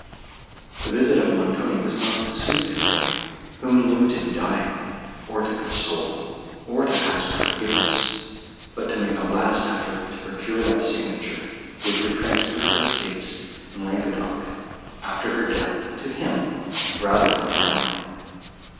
The visit of Montoni was not to sooth his wife, whom he knew to be dying, or to console, or to ask her forgiveness, but to make a last effort to procure that signature, which would transfer her estates in Languedoc, after her death, to him rather than to Emily.